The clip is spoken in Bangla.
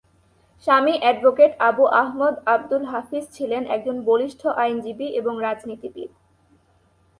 স্বামী এডভোকেট আবু আহমদ আব্দুল হাফিজ ছিলেন একজন বলিষ্ঠ আইনজীবী এবং রাজনীতিবিদ।